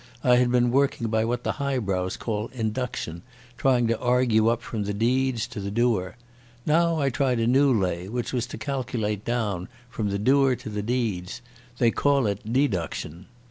I had been working by what the highbrows call induction, trying to argue up from the deeds to the doer. Now I tried a new lay, which was to calculate down from the doer to the deeds. They call it deduction.